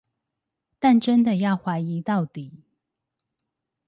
但真的要懷疑到底